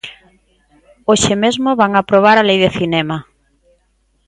Hoxe mesmo van aprobar a Lei de cinema.